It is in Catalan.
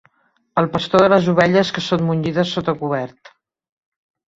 El pastor de les ovelles que són munyides sota cobert.